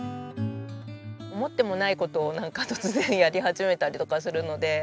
思ってもない事をなんか突然やり始めたりとかするので。